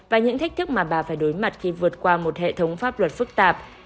và những thách thức mà bà phải đối mặt khi vượt qua một hệ thống pháp luật phức tạp